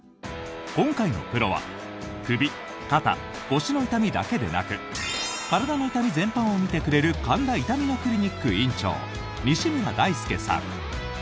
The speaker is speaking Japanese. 今回のプロは首、肩、腰の痛みだけでなく体の痛み全般を診てくれる神田痛みのクリニック院長西村大輔さん。